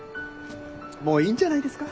もういいんじゃないですか？